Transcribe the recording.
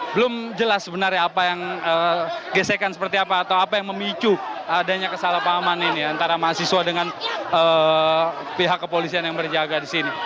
belum jelas sebenarnya apa yang gesekan seperti apa atau apa yang memicu adanya kesalahpahaman ini antara mahasiswa dengan pihak kepolisian yang berjaga di sini